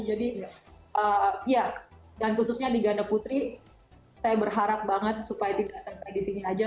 jadi ya dan khususnya di ganda putri saya berharap banget supaya tidak sampai di sini aja